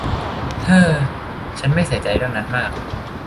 เฮ้อ ฉันไม่ใส่ใจเรื่องนั้นมาก